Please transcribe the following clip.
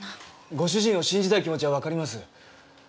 ご主人を信じたい気持ちはわかります。